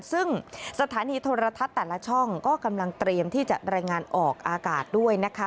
ซึ่งสถานีโทรทัศน์แต่ละช่องก็กำลังเตรียมที่จะรายงานออกอากาศด้วยนะคะ